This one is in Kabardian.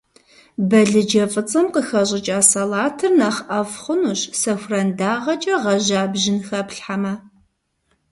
Балыджэ фӀыцӀэм къыхэщӀыкӀа салатыр нэхъ ӀэфӀ хъунущ, сэхуран дагъэкӀэ гъэжьа бжьын хэплъхьэмэ.